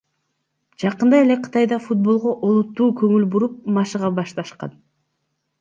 Жакында эле Кытайда футболго олуттуу көңүл буруп машыга башташкан.